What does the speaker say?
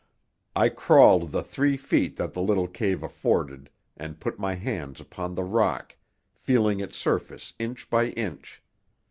I crawled the three feet that the little cave afforded and put my hands upon the rock, feeling its surface inch by inch.